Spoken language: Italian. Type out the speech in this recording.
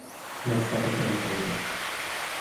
Ma è stato frainteso.